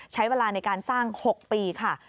ใช้เวลาในการสร้าง๖ปีค่ะ